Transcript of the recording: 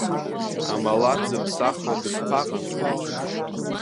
Амала дзыԥсахуа дышԥаҟам?